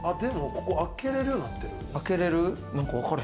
ここ開けれるようになってる。